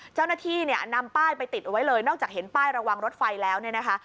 เจ้าหน้าที่เนี่ยนำป้ายไปติดเอาไว้เลยนอกจากเห็นป้ายระวังรถไฟแล้วเนี่ยนะคะ